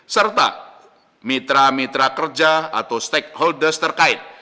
serta mitra mitra kerja atau stakeholders terkait